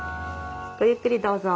ごゆっくりどうぞ。